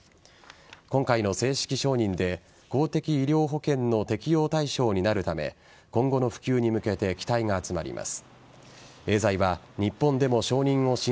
今回の正式承認で公的医療保険の適用対象になるため今後の普及に向けて期待が集まります。